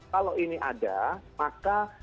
kalau ini ada maka